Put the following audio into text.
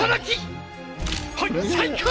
最高！